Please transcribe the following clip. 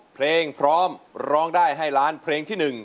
เพลงพร้อมร้องได้ให้ล้านเพลงที่๑